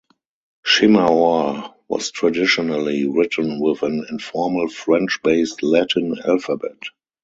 Shimaore was traditionally written with an informal French-based Latin alphabet.